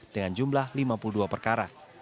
dengan jumlah lima puluh dua perkara